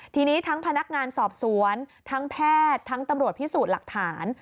ทีนี้ทั้งพนักงานสอบสวนทั้งแพทย์ทั้งตำรวจพิสูจน์หลักฐาน